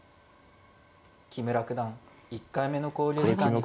木村九段１回目の考慮時間に。